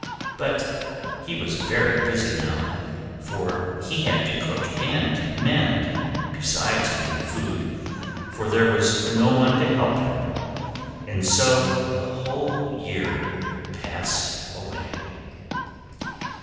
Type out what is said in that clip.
But he was very busy now, for he had to cook and mend, besides getting food, for there was no one to help him. And so a whole year passed away.